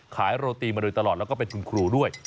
โรตีมาโดยตลอดแล้วก็เป็นคุณครูด้วย